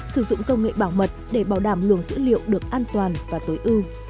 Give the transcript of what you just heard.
sử dụng công nghệ bảo mật để bảo đảm luồng dữ liệu được an toàn và tối ưu